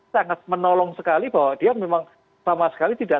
sangat menolong sekali bahwa dia memang sama sekali tidak